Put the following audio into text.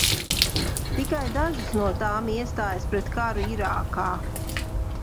Tikai dažas no tām iestājās pret karu Irākā.